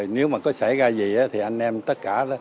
nếu mà có xảy ra gì thì anh em tất cả